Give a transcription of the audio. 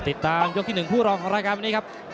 ติดตามยกที่หนึ่งผู้รองรายการวันนี้ครับ